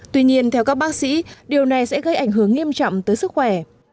tuy nhiên theo các bác sĩ điều này sẽ gây ảnh hưởng nghiêm trọng tới sức khỏe